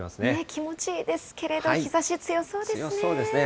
気持ちいいですけれど、日ざし強そうですね。